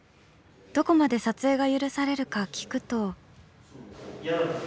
どこまで撮影が許されるか聞くと。